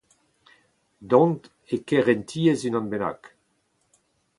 dont e kerentiezh unan bennak